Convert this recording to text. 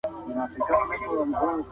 نشه یې توکي د بښتورګو ناروغۍ لامل کېږي.